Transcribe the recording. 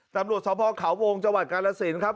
ตำรวจท้อพเขาวงจกรสินครับ